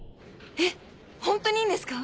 えっホントにいいんですか？